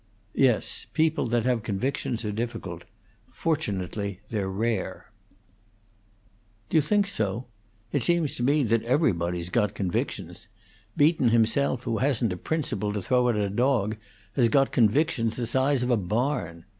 "Yes, people that have convictions are difficult. Fortunately, they're rare." "Do you think so? It seems to me that everybody's got convictions. Beaton himself, who hasn't a principle to throw at a dog, has got convictions the size of a barn.